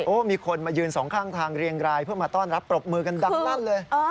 มีคนมายืนสองข้างทางเรียงรายเพื่อมาต้อนรับปรบมือกันดังลั่นเลย